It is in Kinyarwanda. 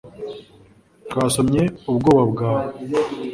twasomye ubwoba bwawe